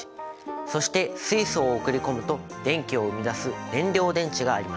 そして水素を送り込むと電気を生み出す燃料電池がありましたね。